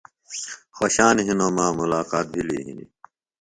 خوۡشان ہِنوۡ مہ ملاقات بھِلیۡ ہِنیۡ۔